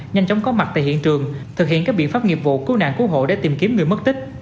nhanh chóng có mặt tại hiện trường thực hiện các biện pháp nghiệp vụ cứu nạn cứu hộ để tìm kiếm người mất tích